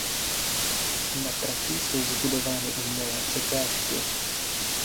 Na trati jsou vybudovány umělé překážky.